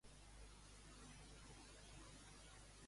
Què es va crear en honor a ella?